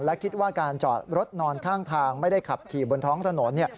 และคิดว่าการจอดรถนอนข้างทางไม่ได้ขับขี่บนท้องถนน